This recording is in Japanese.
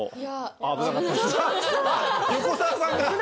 あっ横澤さんが！